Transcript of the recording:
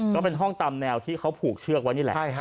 ก็เป็นห้องตามแนวที่เขาผูกเชือกไว้นี่แหละ